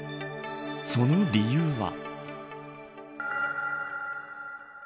その理由は。